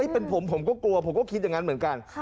เป็นผมผมก็กลัวผมก็คิดอย่างนั้นเหมือนกัน